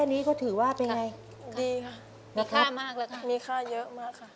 มีค่าเยอะมากค่ะ